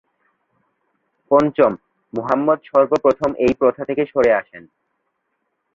পঞ্চম মুহাম্মদ সর্বপ্রথম এই প্রথা থেকে সরে আসেন।